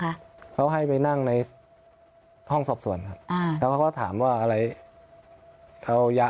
ค่ะเขาให้ไปนั่งในห้องสอบสวนครับอ่าแล้วเขาก็ถามว่าอะไรเขาย้าย